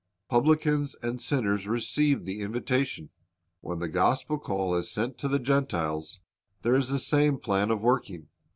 Publicans and sinners received the invitation. When the gospel call is sent to the Gentiles, there is the same plan of working.